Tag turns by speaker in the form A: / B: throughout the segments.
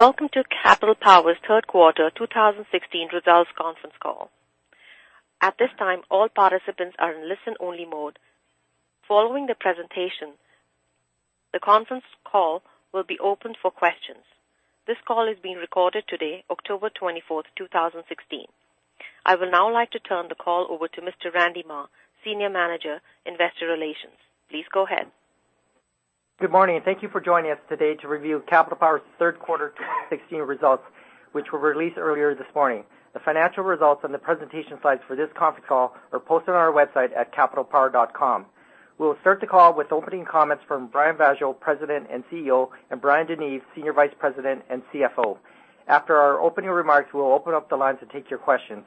A: Welcome to Capital Power's third quarter 2016 results conference call. At this time, all participants are in listen-only mode. Following the presentation, the conference call will be opened for questions. This call is being recorded today, October 24, 2016. I would now like to turn the call over to Mr. Randy Mah, Senior Manager, Investor Relations. Please go ahead.
B: Good morning, thank you for joining us today to review Capital Power's third quarter 2016 results, which were released earlier this morning. The financial results and the presentation slides for this conference call are posted on our website at capitalpower.com. We will start the call with opening comments from Brian Vaasjo, President and CEO, and Bryan DeNeve, Senior Vice President and CFO. After our opening remarks, we will open up the lines to take your questions.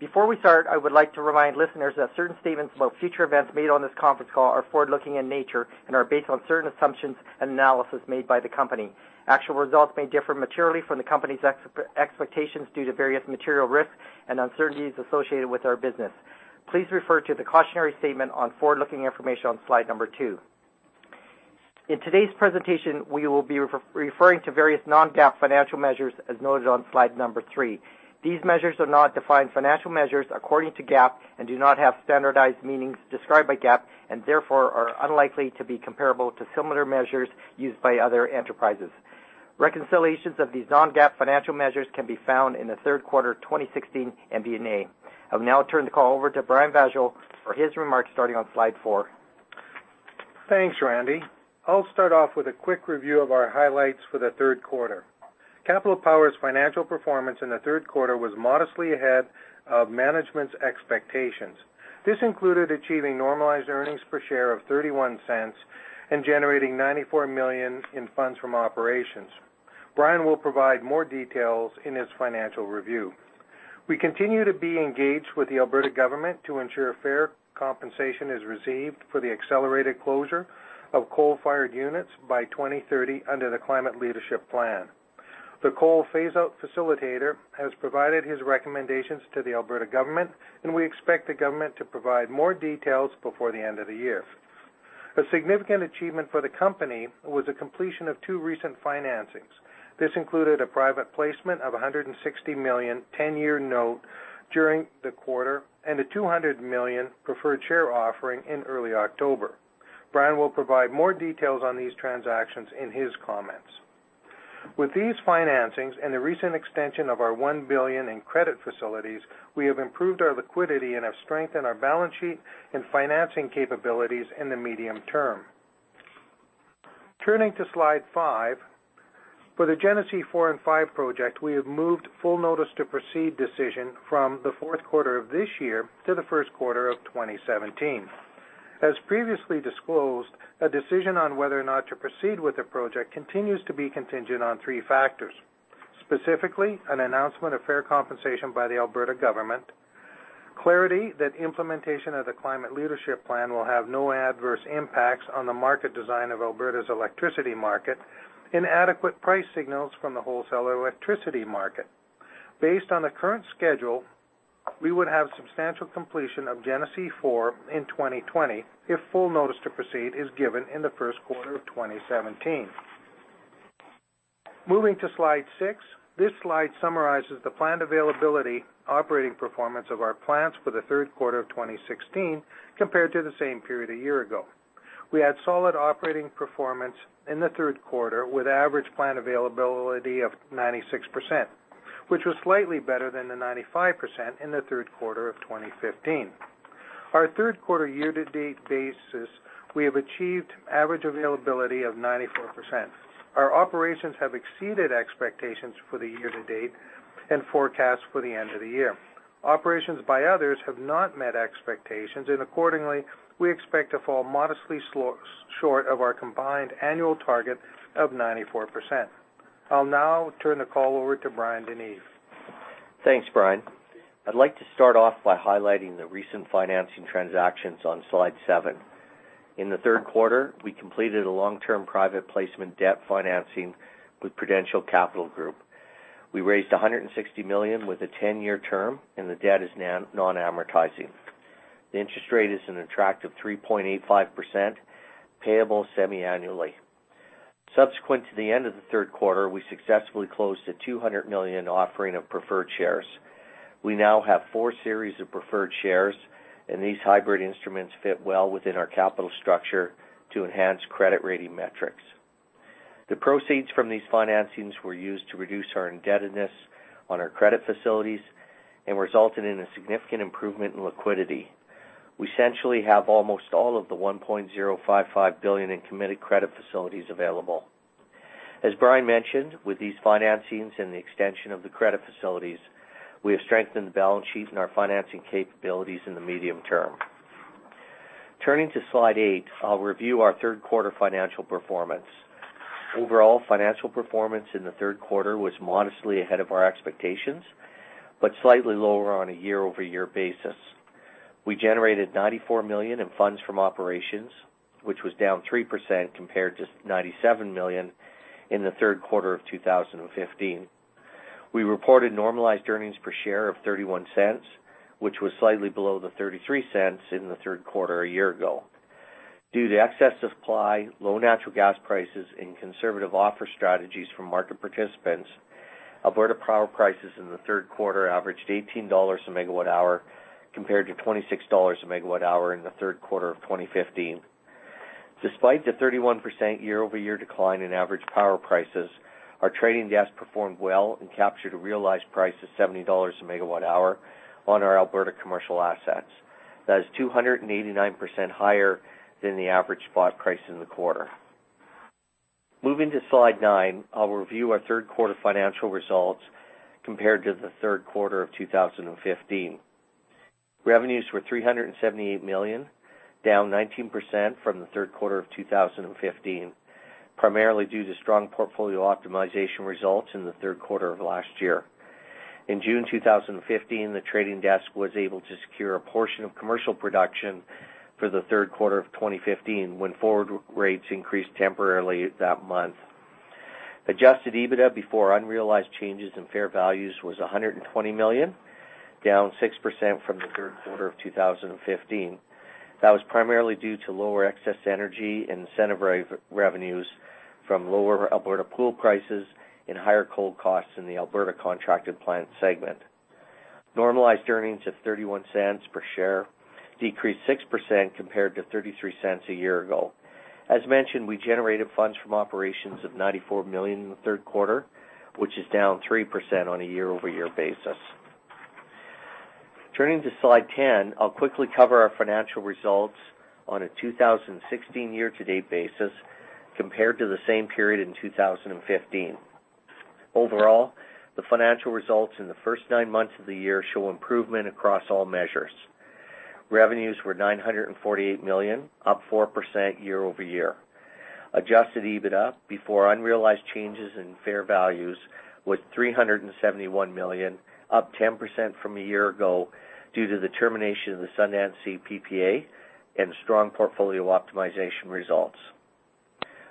B: Before we start, I would like to remind listeners that certain statements about future events made on this conference call are forward-looking in nature and are based on certain assumptions and analysis made by the company. Actual results may differ materially from the company's expectations due to various material risks and uncertainties associated with our business. Please refer to the cautionary statement on forward-looking information on slide number two. In today's presentation, we will be referring to various non-GAAP financial measures, as noted on slide number three. These measures are not defined financial measures according to GAAP and do not have standardized meanings described by GAAP and therefore are unlikely to be comparable to similar measures used by other enterprises. Reconciliations of these non-GAAP financial measures can be found in the third quarter 2016 MD&A. I will now turn the call over to Brian Vaasjo for his remarks, starting on slide four.
C: Thanks, Randy. I will start off with a quick review of our highlights for the third quarter. Capital Power's financial performance in the third quarter was modestly ahead of management's expectations. This included achieving normalized earnings per share of 0.31 and generating 94 million in funds from operations. Brian will provide more details in his financial review. We continue to be engaged with the Alberta government to ensure fair compensation is received for the accelerated closure of coal-fired units by 2030 under the Climate Leadership Plan. The coal phase-out facilitator has provided his recommendations to the Alberta government. We expect the government to provide more details before the end of the year. A significant achievement for the company was the completion of two recent financings. This included a private placement of 160 million 10-year note during the quarter, a 200 million preferred share offering in early October. Brian will provide more details on these transactions in his comments. With these financings and the recent extension of our 1 billion in credit facilities, we have improved our liquidity and have strengthened our balance sheet and financing capabilities in the medium term. Turning to slide five. For the Genesee Four and Five project, we have moved full notice to proceed decision from the fourth quarter of this year to the first quarter of 2017. As previously disclosed, a decision on whether or not to proceed with the project continues to be contingent on three factors. Specifically, an announcement of fair compensation by the Alberta government, clarity that implementation of the Climate Leadership Plan will have no adverse impacts on the market design of Alberta's electricity market, and adequate price signals from the wholesale electricity market. Based on the current schedule, we would have substantial completion of Genesee Four in 2020 if full notice to proceed is given in the first quarter of 2017. Moving to slide six. This slide summarizes the planned availability operating performance of our plants for the third quarter of 2016 compared to the same period a year ago. We had solid operating performance in the third quarter with average plant availability of 96%, which was slightly better than the 95% in the third quarter of 2015. Our third-quarter year-to-date basis, we have achieved average availability of 94%. Our operations have exceeded expectations for the year-to-date and forecast for the end of the year. Operations by others have not met expectations, and accordingly, we expect to fall modestly short of our combined annual target of 94%. I'll now turn the call over to Bryan DeNeve.
D: Thanks, Brian. I'd like to start off by highlighting the recent financing transactions on slide seven. In the third quarter, we completed a long-term private placement debt financing with Prudential Capital Group. We raised 160 million with a 10-year term, and the debt is non-amortizing. The interest rate is an attractive 3.85%, payable semi-annually. Subsequent to the end of the third quarter, we successfully closed a 200 million offering of preferred shares. We now have four series of preferred shares, and these hybrid instruments fit well within our capital structure to enhance credit rating metrics. The proceeds from these financings were used to reduce our indebtedness on our credit facilities and resulted in a significant improvement in liquidity. We essentially have almost all of the 1.055 billion in committed credit facilities available. As Brian mentioned, with these financings and the extension of the credit facilities, we have strengthened the balance sheet and our financing capabilities in the medium term. Turning to slide eight. I'll review our third-quarter financial performance. Overall financial performance in the third quarter was modestly ahead of our expectations, but slightly lower on a year-over-year basis. We generated 94 million in funds from operations, which was down 3% compared to 97 million in the third quarter of 2015. We reported normalized earnings per share of 0.31, which was slightly below the 0.33 in the third quarter a year ago. Due to excess supply, low natural gas prices, and conservative offer strategies from market participants, Alberta power prices in the third quarter averaged 18 dollars a megawatt hour compared to 26 dollars a megawatt hour in the third quarter of 2015. Despite the 31% year-over-year decline in average power prices, our trading desk performed well and captured a realized price of 70 dollars a megawatt hour on our Alberta commercial assets. That is 289% higher than the average spot price in the quarter. Moving to slide nine, I'll review our third quarter financial results compared to the third quarter of 2015. Revenues were CAD 378 million, down 19% from the third quarter of 2015, primarily due to strong portfolio optimization results in the third quarter of last year. In June 2015, the trading desk was able to secure a portion of commercial production for the third quarter of 2015 when forward rates increased temporarily that month. adjusted EBITDA before unrealized changes in fair values was 120 million, down 6% from the third quarter of 2015. That was primarily due to lower excess energy and incentive revenues from lower Alberta pool prices and higher coal costs in the Alberta contracted plant segment. normalized earnings of 0.31 per share decreased 6% compared to 0.33 a year ago. As mentioned, we generated funds from operations of 94 million in the third quarter, which is down 3% on a year-over-year basis. Turning to slide 10, I'll quickly cover our financial results on a 2016 year-to-date basis compared to the same period in 2015. Overall, the financial results in the first nine months of the year show improvement across all measures. Revenues were 948 million, up 4% year-over-year. adjusted EBITDA before unrealized changes in fair values was 371 million, up 10% from a year ago due to the termination of the Sundance PPA and strong portfolio optimization results.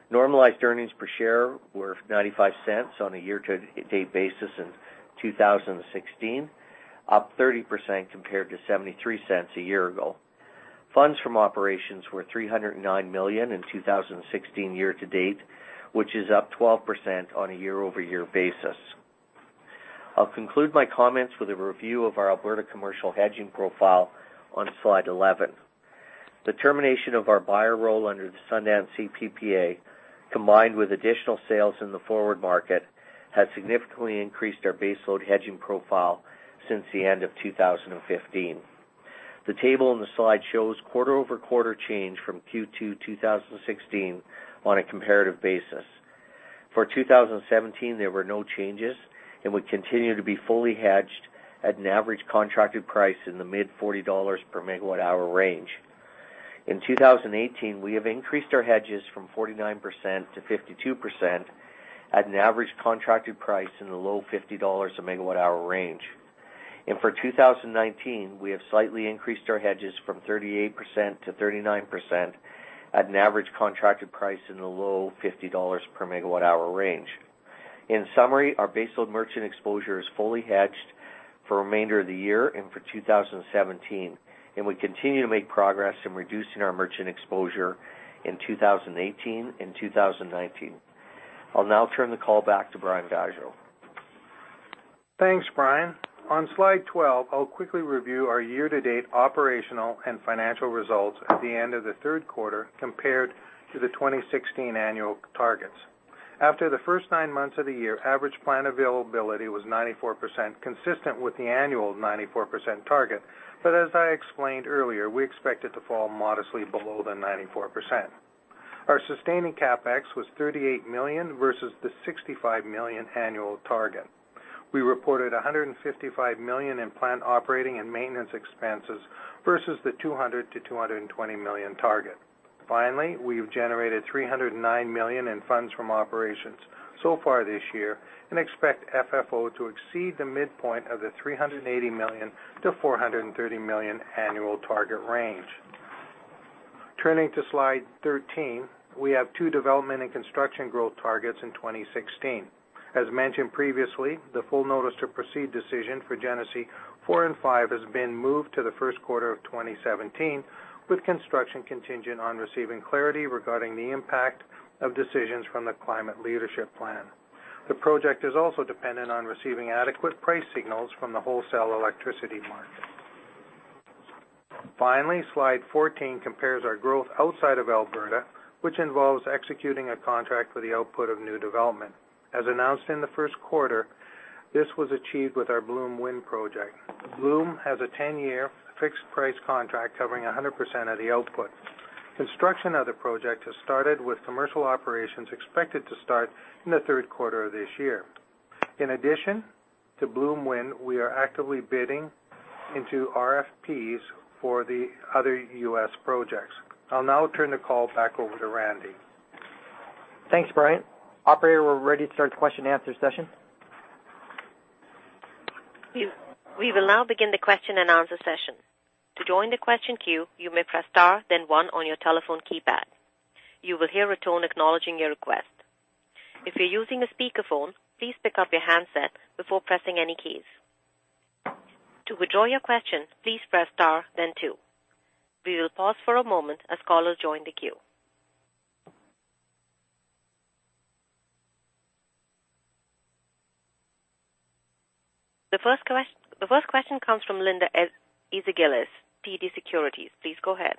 D: normalized earnings per share were 0.95 on a year-to-date basis in 2016, up 30% compared to 0.73 a year ago. funds from operations were 309 million in 2016 year-to-date, which is up 12% on a year-over-year basis. I'll conclude my comments with a review of our Alberta commercial hedging profile on slide 11. The termination of our buyer role under the Sundance PPA, combined with additional sales in the forward market, has significantly increased our baseload hedging profile since the end of 2015. The table in the slide shows quarter-over-quarter change from Q2 2016 on a comparative basis. For 2017, there were no changes, and we continue to be fully hedged at an average contracted price in the mid-CAD 40 per megawatt hour range. In 2018, we have increased our hedges from 49%-52% at an average contracted price in the low 50 dollars a megawatt hour range. For 2019, we have slightly increased our hedges from 38%-39% at an average contracted price in the low 50 dollars per megawatt hour range. In summary, our baseload merchant exposure is fully hedged for the remainder of the year and for 2017. We continue to make progress in reducing our merchant exposure in 2018 and 2019. I'll now turn the call back to Brian Vaasjo.
C: Thanks, Brian. On slide 12, I'll quickly review our year-to-date operational and financial results at the end of the third quarter compared to the 2016 annual targets. After the first nine months of the year, average plant availability was 94%, consistent with the annual 94% target. As I explained earlier, we expect it to fall modestly below the 94%. Our sustaining CapEx was 38 million versus the 65 million annual target. We reported 155 million in plant operating and maintenance expenses versus the 200 million-220 million target. Finally, we've generated 309 million in funds from operations so far this year and expect FFO to exceed the midpoint of the 380 million-430 million annual target range. Turning to slide 13, we have two development and construction growth targets in 2016. As mentioned previously, the full notice to proceed decision for Genesee Four and Five has been moved to the first quarter of 2017, with construction contingent on receiving clarity regarding the impact of decisions from the Climate Leadership Plan. The project is also dependent on receiving adequate price signals from the wholesale electricity market. Finally, slide 14 compares our growth outside of Alberta, which involves executing a contract for the output of new development. As announced in the first quarter, this was achieved with our Bloom wind project. Bloom has a 10-year fixed price contract covering 100% of the output. Construction of the project has started with commercial operations expected to start in the third quarter of this year. In addition to Bloom wind, we are actively bidding into RFPs for the other U.S. projects. I'll now turn the call back over to Randy.
B: Thanks, Brian. Operator, we're ready to start the question and answer session.
A: We will now begin the question and answer session. To join the question queue, you may press star then one on your telephone keypad. You will hear a tone acknowledging your request. If you're using a speakerphone, please pick up your handset before pressing any keys. To withdraw your question, please press star then two. We will pause for a moment as callers join the queue. The first question comes from Linda Ezergailis, TD Securities. Please go ahead.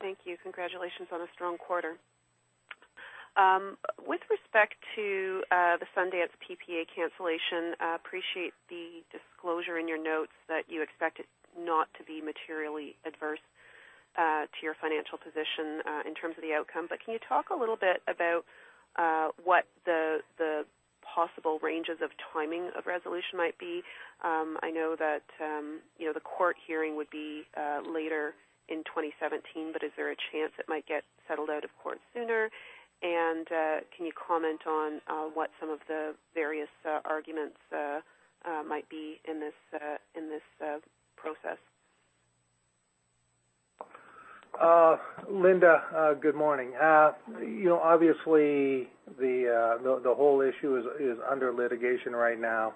E: Thank you. Congratulations on a strong quarter. With respect to the Sundance PPA cancellation, I appreciate the disclosure in your notes that you expect it not to be materially adverse to your financial position in terms of the outcome. Can you talk a little bit about what the possible ranges of timing of resolution might be? I know that the court hearing would be later in 2017, is there a chance it might get settled out of court sooner? Can you comment on what some of the various arguments might be in this process?
C: Linda, good morning. Obviously, the whole issue is under litigation right now.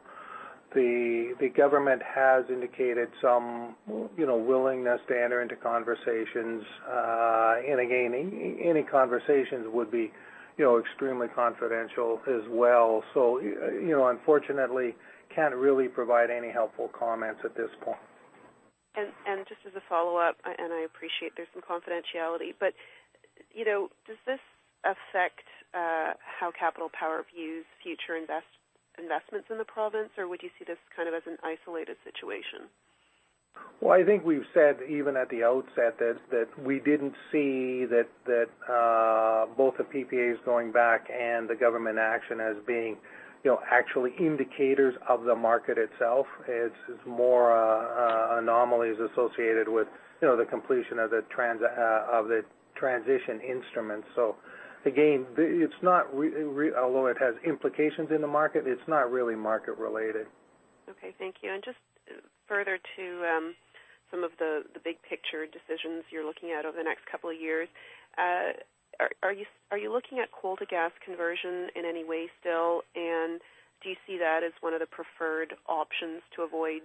C: The government has indicated some willingness to enter into conversations. Again, any conversations would be extremely confidential as well. Unfortunately, can't really provide any helpful comments at this point.
E: Just as a follow-up, I appreciate there's some confidentiality, does this affect how Capital Power views future investments in the province or would you see this kind of as an isolated situation?
C: Well, I think we've said even at the outset that we didn't see that both the PPAs going back and the government action as being actually indicators of the market itself. It's more anomalies associated with the completion of the transition instruments. Again, although it has implications in the market, it's not really market-related.
E: Okay, thank you. Just further to some of the big-picture decisions you're looking at over the next couple of years, are you looking at coal-to-gas conversion in any way still? Do you see that as one of the preferred options to avoid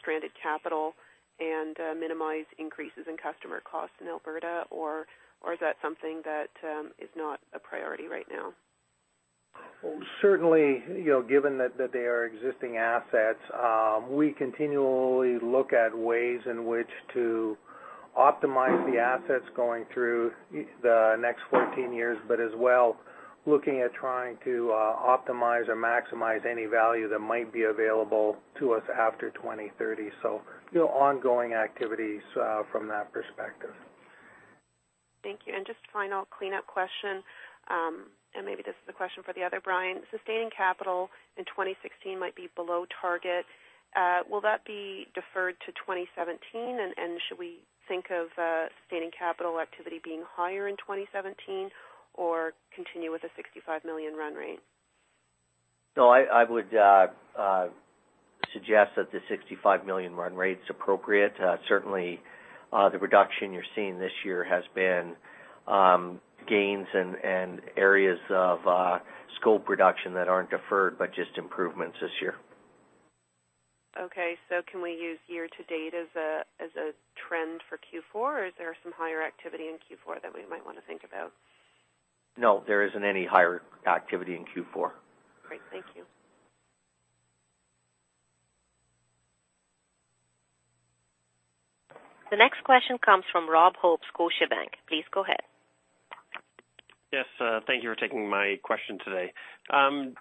E: stranded capital and minimize increases in customer costs in Alberta? Is that something that is not a priority right now?
C: Well, certainly, given that they are existing assets, we continually look at ways in which to optimize the assets going through the next 14 years, but as well, looking at trying to optimize or maximize any value that might be available to us after 2030. Ongoing activities from that perspective.
E: Thank you. Just final cleanup question, and maybe this is a question for the other Brian. Sustaining capital in 2016 might be below target. Will that be deferred to 2017? Should we think of sustaining capital activity being higher in 2017 or continue with a 65 million run rate?
D: No, I would suggest that the 65 million run rate's appropriate. Certainly, the reduction you're seeing this year has been gains in areas of scope reduction that aren't deferred, but just improvements this year.
E: Okay, can we use year-to-date as a trend for Q4, or is there some higher activity in Q4 that we might want to think about?
D: No, there isn't any higher activity in Q4.
E: Great. Thank you.
A: The next question comes from Rob Hope, Scotiabank. Please go ahead.
F: Yes, thank you for taking my question today.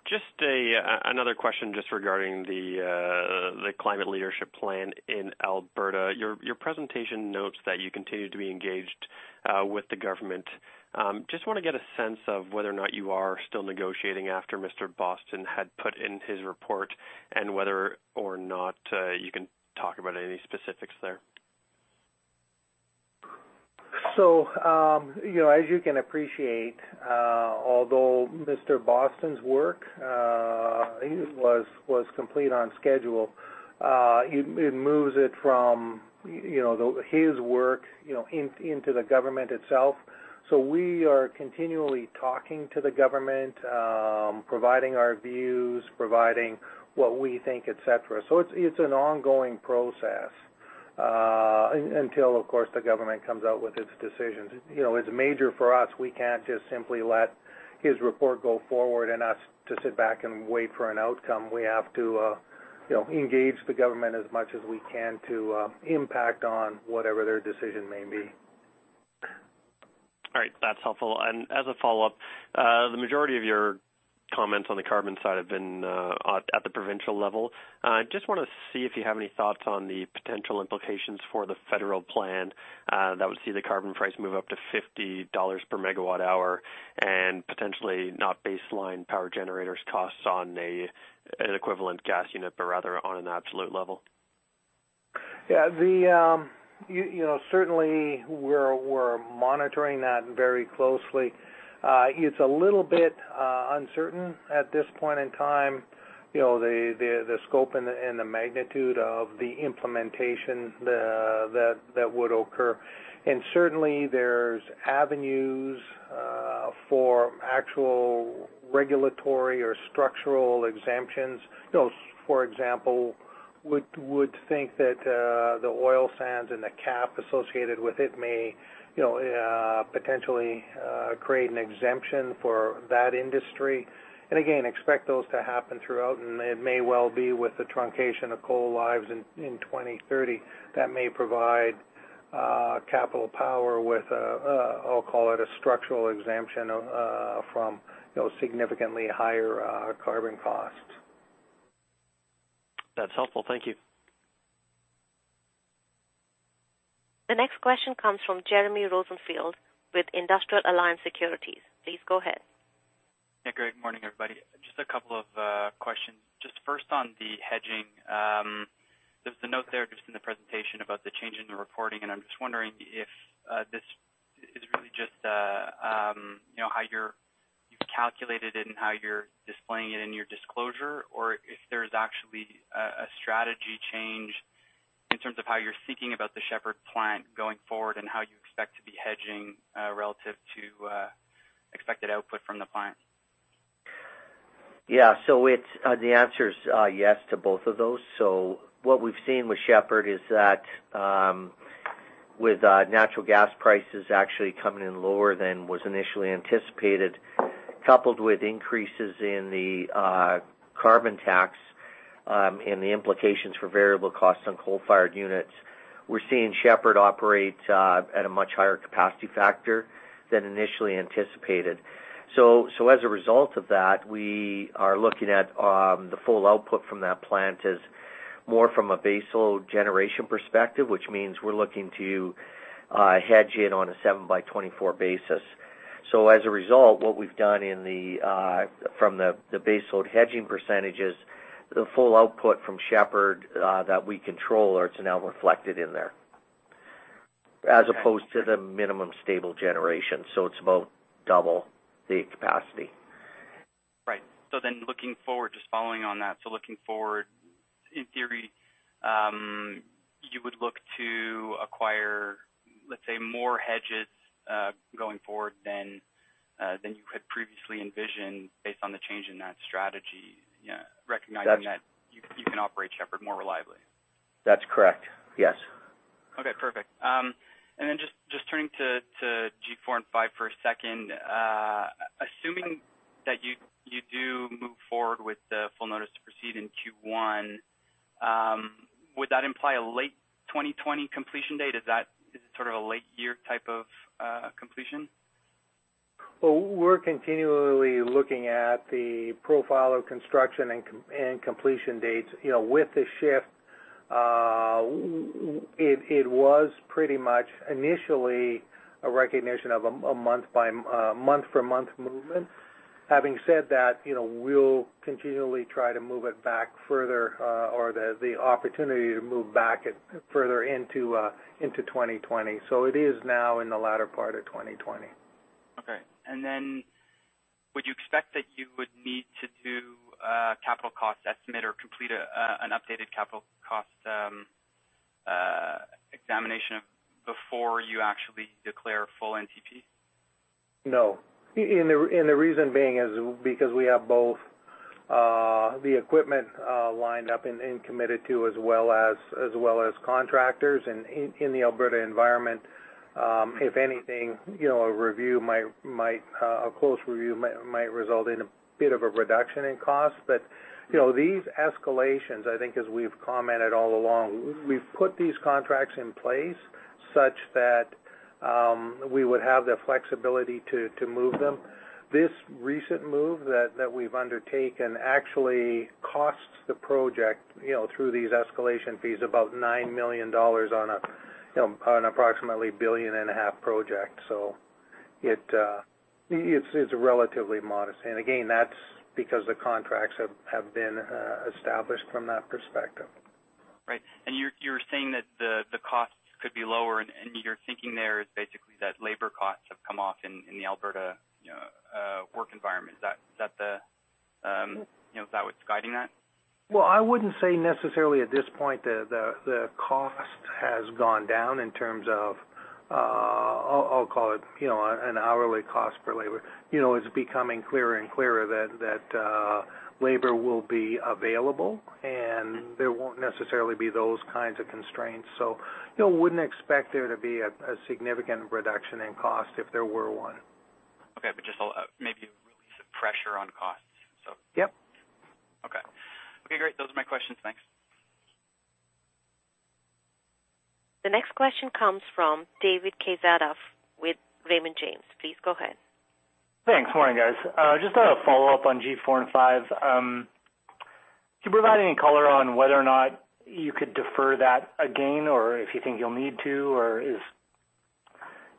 F: Just another question regarding the Climate Leadership Plan in Alberta. Your presentation notes that you continue to be engaged with the government. Just want to get a sense of whether or not you are still negotiating after Mr. Boston had put in his report and whether or not you can talk about any specifics there.
C: As you can appreciate, although Mr. Boston's work was complete on schedule, it moves it from his work into the government itself. We are continually talking to the government, providing our views, providing what we think, et cetera. It's an ongoing process, until, of course, the government comes out with its decisions. It's major for us. We can't just simply let his report go forward and us to sit back and wait for an outcome. We have to engage the government as much as we can to impact on whatever their decision may be.
F: All right. That's helpful. As a follow-up, the majority of your comments on the carbon side have been at the provincial level. Just want to see if you have any thoughts on the potential implications for the federal plan that would see the carbon price move up to 50 dollars per megawatt hour and potentially not baseline power generators costs on an equivalent gas unit, but rather on an absolute level.
C: Yeah. Certainly, we're monitoring that very closely. It's a little bit uncertain at this point in time, the scope and the magnitude of the implementation that would occur. Certainly, there's avenues for actual regulatory or structural exemptions. For example, would think that the oil sands and the cap associated with it may potentially create an exemption for that industry. Again, expect those to happen throughout, and it may well be with the truncation of coal lives in 2030, that may provide Capital Power with, I'll call it a structural exemption from significantly higher carbon costs.
F: That's helpful. Thank you.
A: The next question comes from Jeremy Rosenfield with Industrial Alliance Securities. Please go ahead.
G: Yeah, great morning, everybody. Just a couple of questions. Just first on the hedging. There's a note there just in the presentation about the change in the reporting. I'm just wondering if this is really just how you've calculated it and how you're displaying it in your disclosure, or if there's actually a strategy change in terms of how you're thinking about the Shepard plant going forward and how you expect to be hedging relative to expected output from the plant.
D: Yeah. The answer is yes to both of those. What we've seen with Shepard is that with natural gas prices actually coming in lower than was initially anticipated, coupled with increases in the carbon tax and the implications for variable costs on coal-fired units, we're seeing Shepard operate at a much higher capacity factor than initially anticipated. As a result of that, we are looking at the full output from that plant as more from a base load generation perspective, which means we're looking to hedge in on a seven by 24 basis. As a result, what we've done from the base load hedging percentage is the full output from Shepard that we control, it's now reflected in there, as opposed to the minimum stable generation. It's about double the capacity.
G: Right. Looking forward, just following on that, in theory, you would look to acquire, let's say, more hedges, going forward than you had previously envisioned based on the change in that strategy, recognizing that you can operate Shepard more reliably.
D: That's correct. Yes.
G: Okay, perfect. Just turning to G4 and 5 for a second. Assuming that you do move forward with the full notice to proceed in Q1, would that imply a late 2020 completion date? Is it sort of a late-year type of completion?
C: Well, we're continually looking at the profile of construction and completion dates. With the shift, it was pretty much initially a recognition of a month for month movement. Having said that, we'll continually try to move it back further, or the opportunity to move back further into 2020. It is now in the latter part of 2020.
G: Okay. Would you expect that you would need to do a capital cost estimate or complete an updated capital cost examination before you actually declare full NTP?
C: No. The reason being is because we have both the equipment lined up and committed to as well as contractors in the Alberta environment. If anything, a close review might result in a bit of a reduction in cost. These escalations, I think as we've commented all along, we've put these contracts in place such that we would have the flexibility to move them. This recent move that we've undertaken actually costs the project through these escalation fees about 9 million dollars on an approximately 1.5 billion project. It's relatively modest. Again, that's because the contracts have been established from that perspective.
G: Right. You're saying that the costs could be lower, and your thinking there is basically that labor costs have come off in the Alberta work environment. Is that what's guiding that?
C: Well, I wouldn't say necessarily at this point the cost has gone down in terms of, I'll call it an hourly cost per labor. It's becoming clearer and clearer that labor will be available and there won't necessarily be those kinds of constraints. Wouldn't expect there to be a significant reduction in cost if there were one.
G: Okay. Just maybe a release of pressure on costs.
C: Yep.
G: Okay. Okay, great. Those are my questions, thanks.
A: The next question comes from David Kaszuf with Raymond James. Please go ahead.
H: Thanks. Morning, guys. Just a follow-up on G4 and five. Can you provide any color on whether or not you could defer that again or if you think you'll need to or is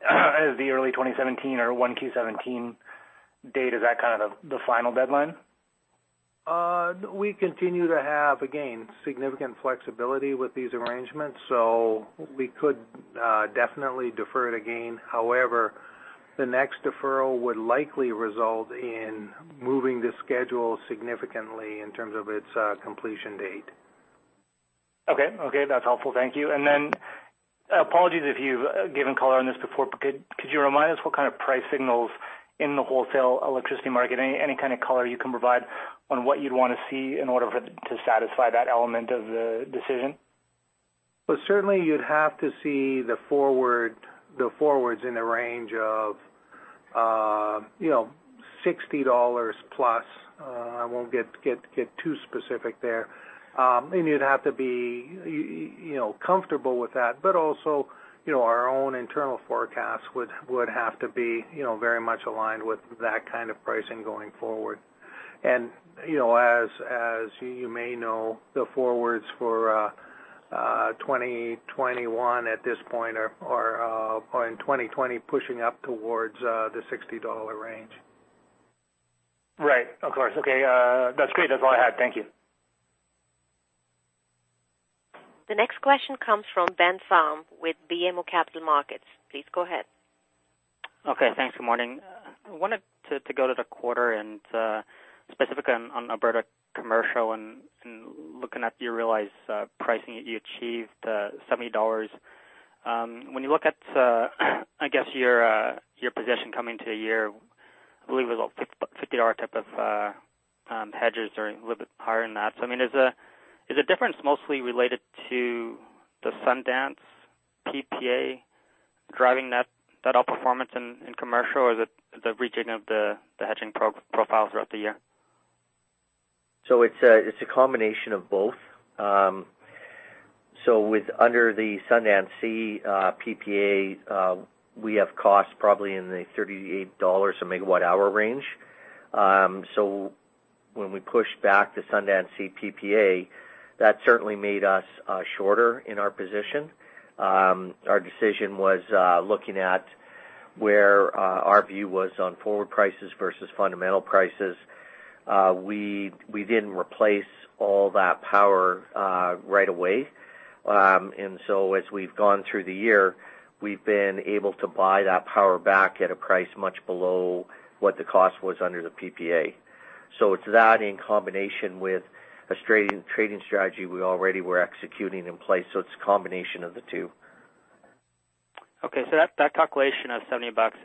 H: the early 2017 or one Q17 date, is that kind of the final deadline?
C: We continue to have, again, significant flexibility with these arrangements, so we could definitely defer it again. However, the next deferral would likely result in moving the schedule significantly in terms of its completion date.
H: Okay. That's helpful. Thank you. Then, apologies if you've given color on this before, but could you remind us what kind of price signals in the wholesale electricity market, any kind of color you can provide on what you'd want to see in order for it to satisfy that element of the decision?
C: Well, certainly you'd have to see the forwards in the range of 60 dollars plus. I won't get too specific there. You'd have to be comfortable with that. Also, our own internal forecast would have to be very much aligned with that kind of pricing going forward. As you may know, the forwards for 2021 at this point are, or in 2020, pushing up towards the 60 dollar range.
I: Right. Of course. Okay. That's great. That's all I had. Thank you.
A: The next question comes from Ben Pham with BMO Capital Markets. Please go ahead.
J: Okay. Thanks. Good morning. I wanted to go to the quarter and specifically on Alberta commercial and looking at your realized pricing that you achieved, CAD 70. I mean, is the difference mostly related to the Sundance PPA driving that outperformance in commercial, or is it the retaking of the hedging profile throughout the year?
D: It's a combination of both. With under the Sundance C PPA, we have costs probably in the 38 dollars a megawatt hour range. When we pushed back the Sundance C PPA, that certainly made us shorter in our position. Our decision was looking at where our view was on forward prices versus fundamental prices. We didn't replace all that power right away. As we've gone through the year, we've been able to buy that power back at a price much below what the cost was under the PPA. It's that in combination with a trading strategy we already were executing in place. It's a combination of the two.
J: Okay, that calculation of 70 bucks,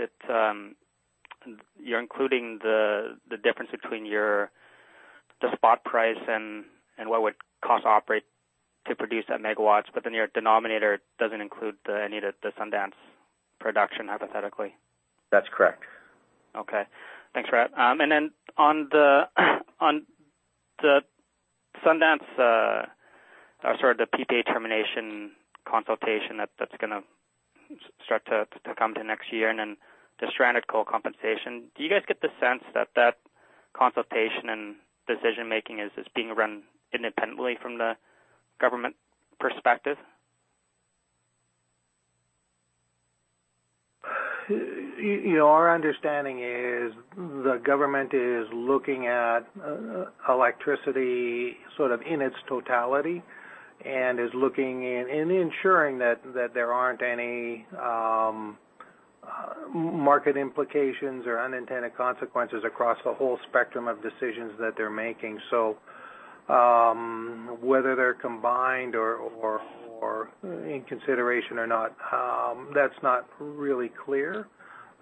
J: you're including the difference between the spot price and what would cost to operate to produce that megawatts, your denominator doesn't include any of the Sundance production hypothetically?
D: That's correct.
J: Thanks for that. On the Sundance PPA termination consultation that's going to start to come to next year and then the stranded coal compensation, do you guys get the sense that that consultation and decision-making is just being run independently from the government perspective?
C: Our understanding is the government is looking at electricity sort of in its totality and is looking in ensuring that there aren't any market implications or unintended consequences across the whole spectrum of decisions that they're making. Whether they're combined or in consideration or not, that's not really clear.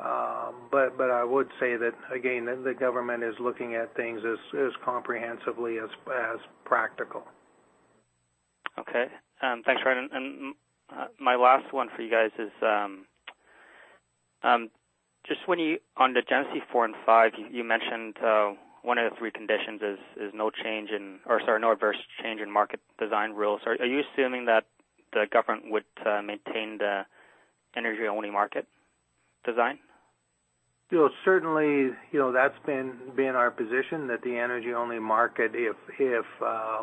C: I would say that, again, the government is looking at things as comprehensively as practical.
J: Okay. Thanks, Brian. My last one for you guys is, just on the Genesee 4 and 5, you mentioned one of the three conditions is no adverse change in market design rules. Are you assuming that the government would maintain the energy-only market design?
C: That's been our position that the energy-only market, if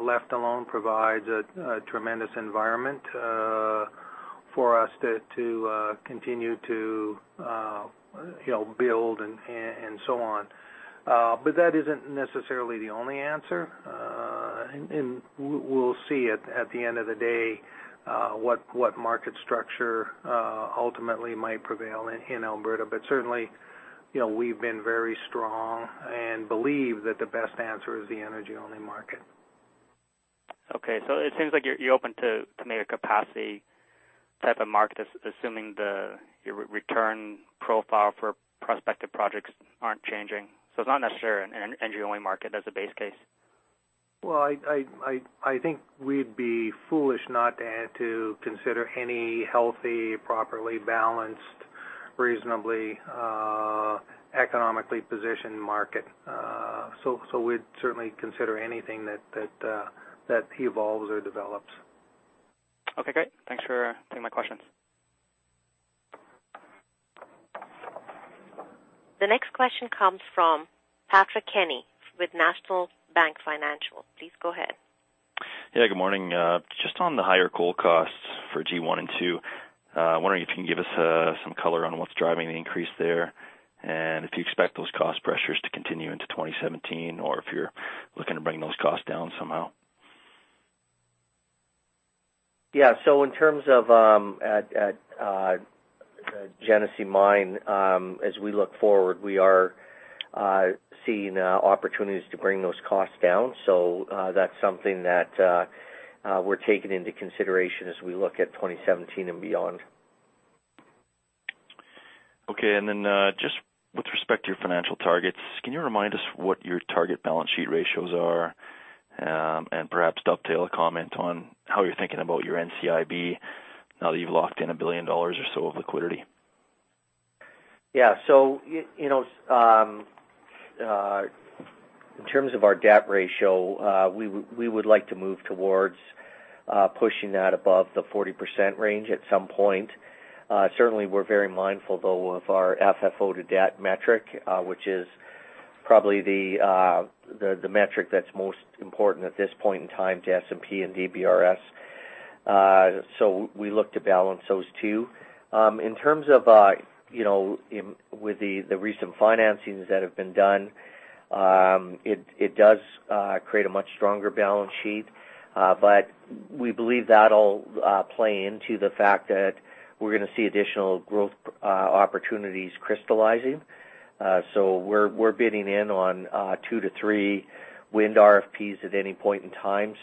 C: left alone, provides a tremendous environment for us to continue to build and so on. That isn't necessarily the only answer. We'll see at the end of the day what market structure ultimately might prevail in Alberta. Certainly, we've been very strong and believe that the best answer is the energy-only market.
J: Okay. It seems like you're open to make a capacity type of market, assuming the return profile for prospective projects aren't changing. It's not necessarily an energy-only market as a base case?
C: Well, I think we'd be foolish not to consider any healthy, properly balanced, reasonably economically positioned market. We'd certainly consider anything that evolves or develops.
J: Okay, great. Thanks for taking my questions.
A: The next question comes from Patrick Kenny with National Bank Financial. Please go ahead.
I: Yeah, good morning. Just on the higher coal costs for G1 and G2. I'm wondering if you can give us some color on what's driving the increase there, and if you expect those cost pressures to continue into 2017, or if you're looking to bring those costs down somehow.
D: Yeah. In terms of Genesee Mine, as we look forward, we are seeing opportunities to bring those costs down. That's something that we're taking into consideration as we look at 2017 and beyond.
I: Okay, just with respect to your financial targets, can you remind us what your target balance sheet ratios are? Perhaps dovetail a comment on how you're thinking about your NCIB now that you've locked in 1 billion dollars or so of liquidity.
D: Yeah. In terms of our debt ratio, we would like to move towards pushing that above the 40% range at some point. Certainly, we're very mindful, though, of our FFO to debt metric, which is probably the metric that's most important at this point in time to S&P and DBRS. We look to balance those two. In terms of with the recent financings that have been done, it does create a much stronger balance sheet. We believe that'll play into the fact that we're going to see additional growth opportunities crystallizing. We're bidding in on 2 to 3 wind RFPs at any point in time.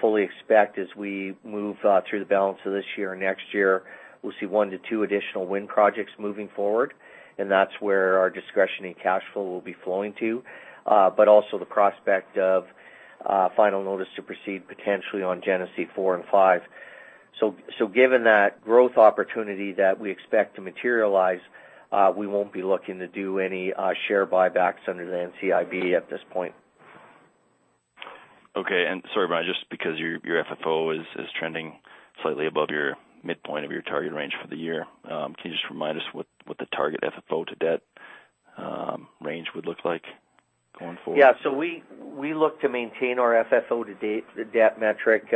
D: Fully expect as we move through the balance of this year and next year, we'll see 1 to 2 additional wind projects moving forward, and that's where our discretionary cash flow will be flowing to. Also the prospect of final notice to proceed potentially on Genesee Four and Five. Given that growth opportunity that we expect to materialize, we won't be looking to do any share buybacks under the NCIB at this point.
I: Okay, and sorry, Brian, just because your FFO is trending slightly above your midpoint of your target range for the year, can you just remind us what the target FFO to debt range would look like going forward?
D: Yeah. We look to maintain our FFO to debt metric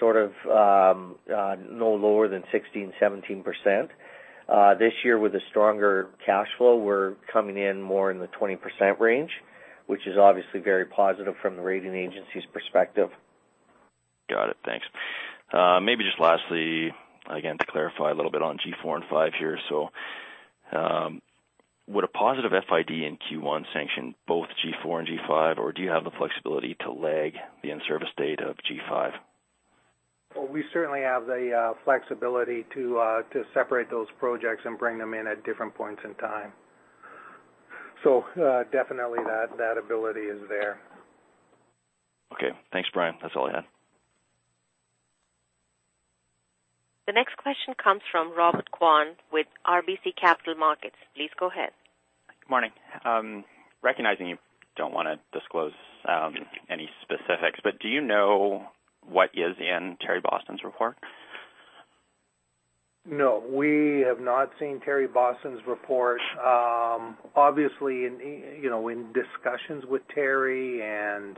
D: sort of no lower than 16%-17%. This year, with the stronger cash flow, we're coming in more in the 20% range, which is obviously very positive from the rating agency's perspective.
I: Got it. Thanks. Maybe just lastly, again, to clarify a little bit on G4 and G5 here. Would a positive FID in Q1 sanction both G4 and G5, or do you have the flexibility to lag the in-service date of G5?
C: We certainly have the flexibility to separate those projects and bring them in at different points in time. Definitely that ability is there.
I: Thanks, Brian. That's all I had.
A: The next question comes from Robert Kwan with RBC Capital Markets. Please go ahead.
K: Good morning. Recognizing you don't want to disclose any specifics, but do you know what is in Terry Boston's report?
C: No, we have not seen Terry Boston's report. Obviously, in discussions with Terry and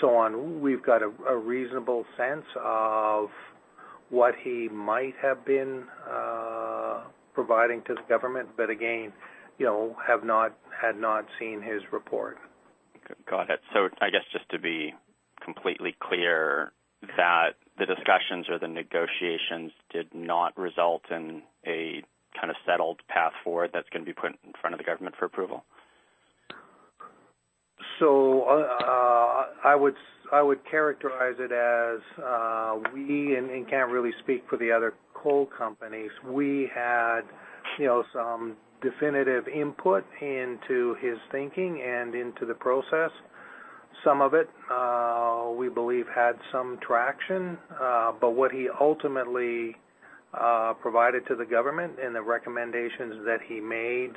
C: so on, we've got a reasonable sense of what he might have been providing to the government, but again, had not seen his report.
K: Got it. I guess just to be completely clear that the discussions or the negotiations did not result in a kind of settled path forward that's going to be put in front of the government for approval?
C: I would characterize it as we, and can't really speak for the other coal companies. We had some definitive input into his thinking and into the process. Some of it we believe had some traction. What he ultimately provided to the government and the recommendations that he made,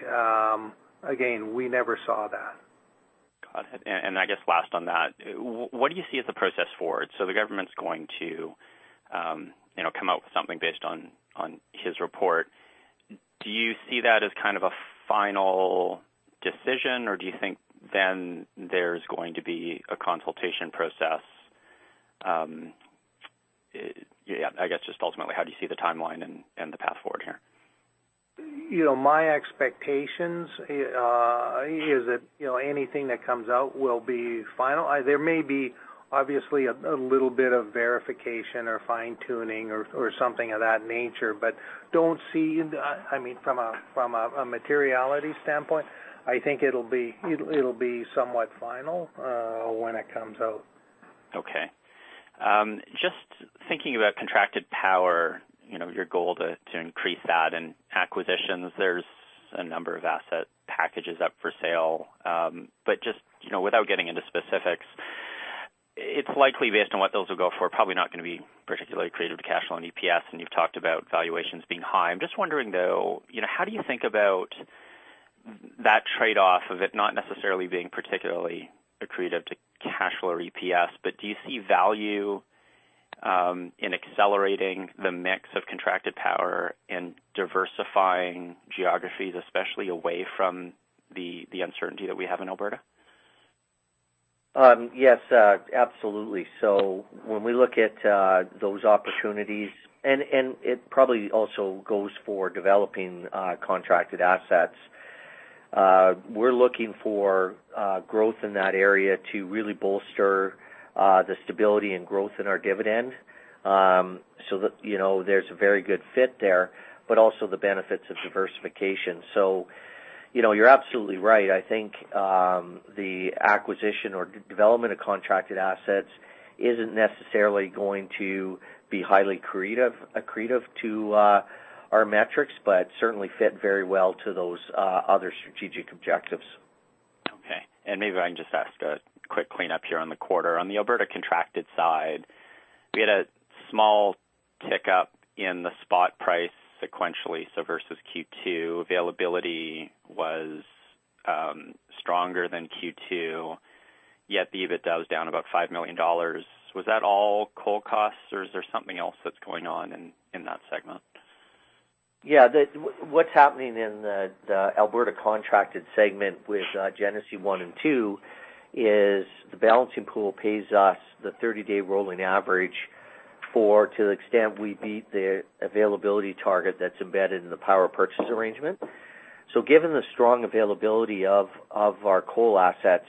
C: again, we never saw that.
K: Got it. I guess last on that, what do you see as the process forward? The government's going to come out with something based on his report. Do you see that as kind of a final decision, or do you think then there's going to be a consultation process? I guess just ultimately, how do you see the timeline and the path forward here?
C: My expectations is that anything that comes out will be final. There may be obviously a little bit of verification or fine-tuning or something of that nature. Don't see, from a materiality standpoint, I think it'll be somewhat final when it comes out.
K: Okay. Just thinking about contracted power, your goal to increase that in acquisitions. There's a number of asset packages up for sale. Just, without getting into specifics, it's likely based on what those will go for, probably not going to be particularly accretive to cash flow and EPS. You've talked about valuations being high. I'm just wondering, though, how do you think about that trade-off of it not necessarily being particularly accretive to cash flow or EPS, do you see value in accelerating the mix of contracted power and diversifying geographies, especially away from the uncertainty that we have in Alberta?
D: Yes, absolutely. When we look at those opportunities, it probably also goes for developing contracted assets. We're looking for growth in that area to really bolster the stability and growth in our dividend. There's a very good fit there, also the benefits of diversification. You're absolutely right. I think the acquisition or development of contracted assets isn't necessarily going to be highly accretive to our metrics, certainly fit very well to those other strategic objectives.
K: Maybe if I can just ask a quick cleanup here on the quarter. On the Alberta contracted side, we had a small tick up in the spot price sequentially. Versus Q2, availability was stronger than Q2, yet the EBITDA was down about 5 million dollars. Was that all coal costs or is there something else that's going on in that segment?
D: Yeah. What's happening in the Alberta contracted segment with Genesee 1 and 2 is the Balancing Pool pays us the 30-day rolling average for to the extent we beat the availability target that's embedded in the Power Purchase Arrangement. Given the strong availability of our coal assets,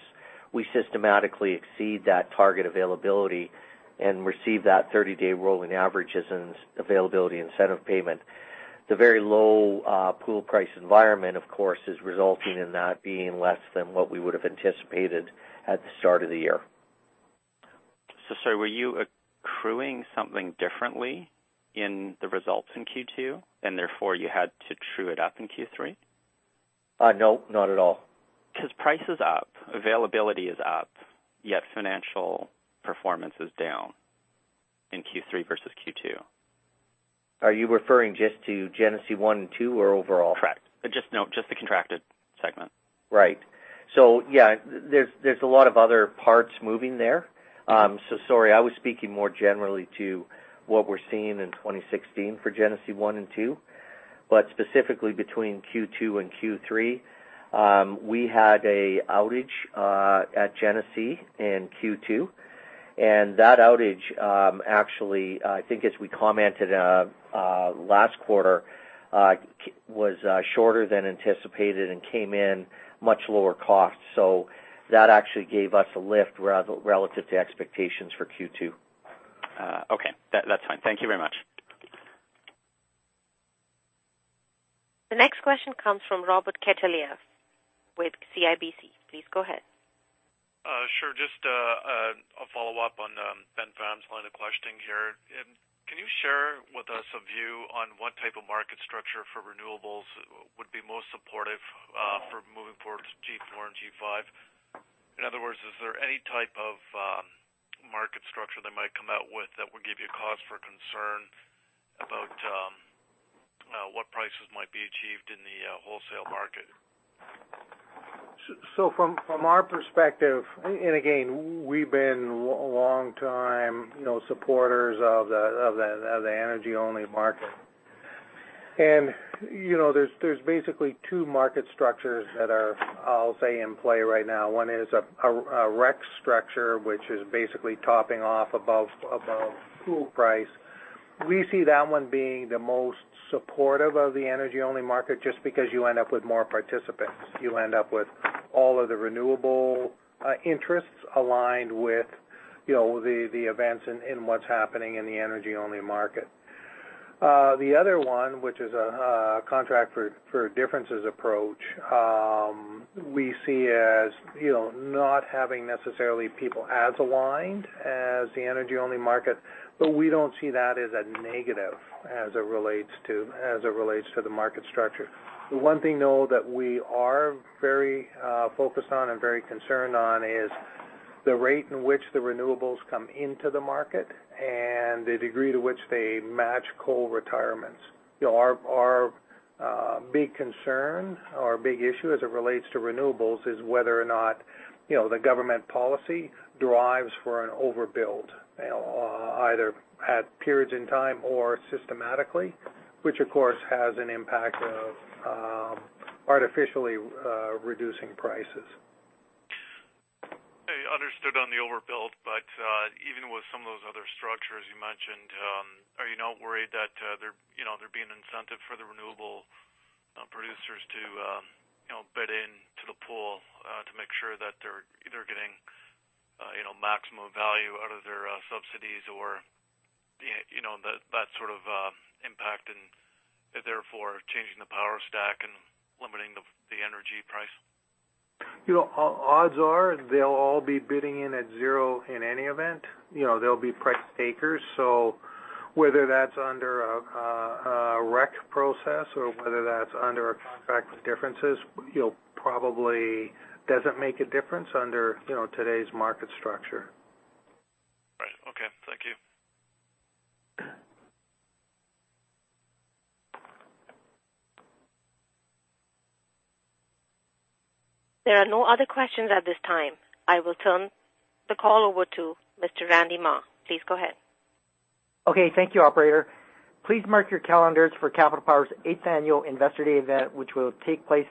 D: we systematically exceed that target availability and receive that 30-day rolling average as an availability incentive payment. The very low pool price environment, of course, is resulting in that being less than what we would have anticipated at the start of the year.
K: Sorry, were you accruing something differently in the results in Q2, and therefore you had to true it up in Q3?
D: No, not at all.
K: Price is up, availability is up, yet financial performance is down in Q3 versus Q2.
D: Are you referring just to Genesee 1 and 2 or overall?
K: No, just the contracted segment.
D: Right. Yeah, there's a lot of other parts moving there. Sorry, I was speaking more generally to what we're seeing in 2016 for Genesee 1 and 2. Specifically between Q2 and Q3, we had an outage at Genesee in Q2, and that outage actually, I think as we commented last quarter, was shorter than anticipated and came in much lower cost. That actually gave us a lift relative to expectations for Q2.
K: Okay. That's fine. Thank you very much.
A: The next question comes from Robert Catellier with CIBC. Please go ahead.
L: Sure. Just a follow-up on Ben Pham's line of questioning here. Can you share with us a view on what type of market structure for renewables would be most supportive for moving forward to G4 and G5? In other words, is there any type of market structure they might come out with that would give you cause for concern about what prices might be achieved in the wholesale market?
D: From our perspective, again, we've been longtime supporters of the energy-only market. There's basically two market structures that are, I'll say, in play right now. One is a REC structure, which is basically topping off above pool price. We see that one being the most supportive of the energy-only market, just because you end up with more participants. You end up with all of the renewable interests aligned with the events in what's happening in the energy-only market. The other one, which is a contract for differences approach, we see as not having necessarily people as aligned as the energy-only market, but we don't see that as a negative as it relates to the market structure. The one thing, though, that we are very focused on and very concerned on is the rate in which the renewables come into the market and the degree to which they match coal retirements. Our big concern or big issue as it relates to renewables is whether or not the government policy drives for an overbuild, either at periods in time or systematically, which, of course, has an impact of artificially reducing prices.
L: Understood on the overbuild. Even with some of those other structures you mentioned, are you not worried that there'd be an incentive for the renewable producers to bid into the pool to make sure that they're either getting maximum value out of their subsidies or that sort of impact and therefore changing the power stack and limiting the energy price?
D: Odds are they'll all be bidding in at zero in any event. They'll be price takers. Whether that's under a REC process or whether that's under a contract for differences, probably doesn't make a difference under today's market structure.
L: Right. Okay. Thank you.
A: There are no other questions at this time. I will turn the call over to Mr. Randy Mah. Please go ahead.
B: Okay. Thank you, operator. Please mark your calendars for Capital Power's eighth annual Investor Day event, which will take place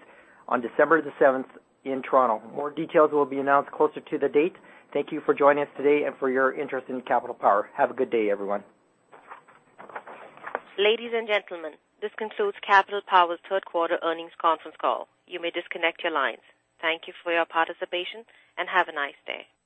B: on December the 7th in Toronto. More details will be announced closer to the date. Thank you for joining us today and for your interest in Capital Power. Have a good day, everyone.
A: Ladies and gentlemen, this concludes Capital Power's third quarter earnings conference call. You may disconnect your lines. Thank you for your participation, and have a nice day.